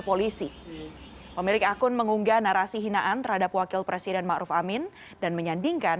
polisi pemilik akun mengunggah narasi hinaan terhadap wakil presiden ma'ruf amin dan menyandingkan